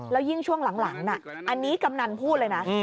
แล้วยิ่งช่วงหลังน่ะอันนี้กำนันพูดเลยนะ